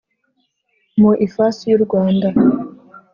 mu ifasi y u Rwanda